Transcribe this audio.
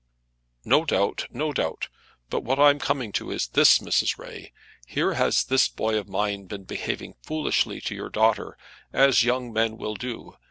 "No doubt; no doubt. But what I'm coming to is this, Mrs. Ray; here has this boy of mine been behaving foolishly to your daughter, as young men will do.